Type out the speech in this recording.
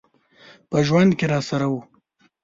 په ژوند کي راسره و .